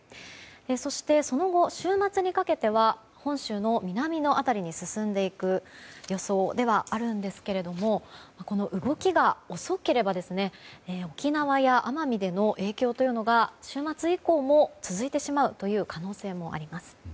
そして、その後週末にかけては本州の南の辺りに進んでいく予想ではあるんですけどこの動きが遅ければ沖縄や奄美での影響が週末以降も続いてしまう可能性もあります。